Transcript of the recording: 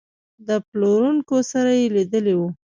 د پلورونکو سره یې لیدلي وو.